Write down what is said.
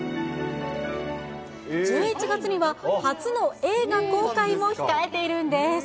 １１月には、初の映画公開も控えているんです。